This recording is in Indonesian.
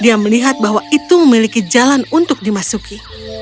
dia melihat bahwa itu memiliki jalan untuk dimasuki